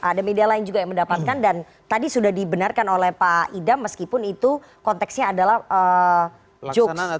ada media lain juga yang mendapatkan dan tadi sudah dibenarkan oleh pak idam meskipun itu konteksnya adalah jokes